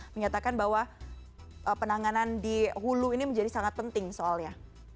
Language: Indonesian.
menyatakan bahwa penanganan di hulu ini menjadi sangat penting soalnya